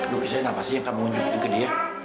lukisan apa sih yang kamu unjukin ke dia